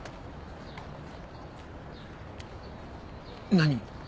何？